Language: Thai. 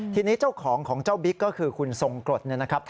ทีนี้เจ้าของของเจ้าบิ๊กก็คือคุณทรงกรดเนี่ยนะครับ